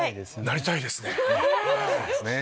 なりたいですね。